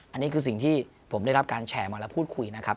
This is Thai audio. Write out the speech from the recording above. อันนี้คือสิ่งที่ผมได้รับการแฉมาและพูดคุยนะครับ